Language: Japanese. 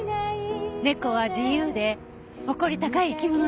猫は自由で誇り高い生き物だから。